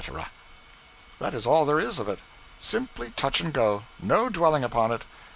That is all there is of it simply touch and go no dwelling upon it.